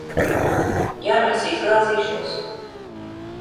Ja nu es izgāzīšos?